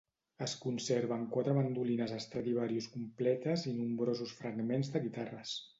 Es conserven quatre mandolines Stradivarius completes i nombrosos fragments de guitarres.